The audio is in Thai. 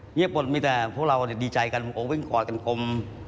เงียบหมดมีแต่พวกเราดีใจกันวิ่งกว่ากันคม